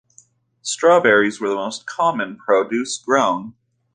Strawberries were the most common produce grown.